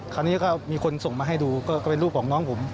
คราวนี้ก็มีคนส่งมาให้ดูก็เป็นรูปของน้องผม